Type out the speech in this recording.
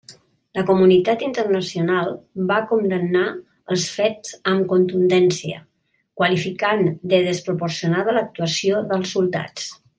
La comunitat internacional va condemnar els fets amb contundència, qualificant de desproporcionada l'actuació dels soldats.